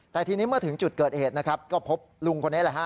แต่ทีนี้เมื่อถึงจุดเกิดเหตุนะครับก็พบลุงคนนี้แหละฮะ